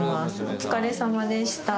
お疲れさまでした。